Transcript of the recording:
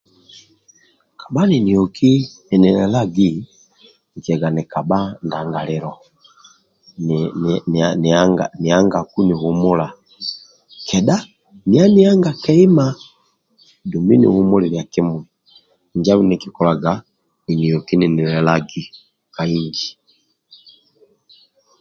Kabha ninioki ninilelaga nkiaga nikabha ndangalilo ni ni niahagaku nihumula kedha niya nihaganga keima dumbi nihumulilia kimui injo andulu ndie nkikolaga ninioki ninilelagi ka inji